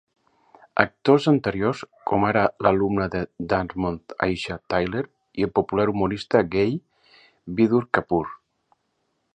Actors anteriors, com ara l'alumna de Dartmouth Aisha Tyler i el popular humorista gai Vidur Kapur.